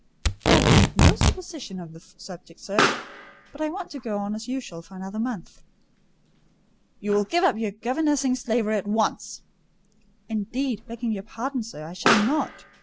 "I have formed no supposition on the subject, sir; but I want to go on as usual for another month." "You will give up your governessing slavery at once." "Indeed, begging your pardon, sir, I shall not.